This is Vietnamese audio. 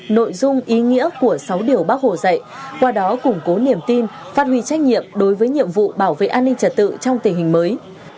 nội dung ý nghĩa của sáu điều bác hồ dạy qua đó củng cố niềm tin phát huy trách nhiệm đối với nhiệm vụ bảo vệ an ninh trật tự trong tình hình mới